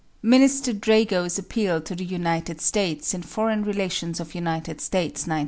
Minister Drago's appeal to the United States, in Foreign Relations of United States, 1903.